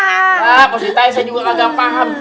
ah positif saya juga agak paham